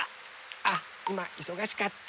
あっいまいそがしかった。